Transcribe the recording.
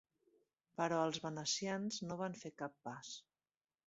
Però els venecians no van fer cap pas.